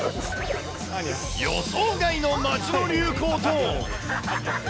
予想外の街の流行と。